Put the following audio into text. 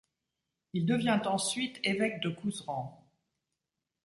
Il devient ensuite évêque de Couserans.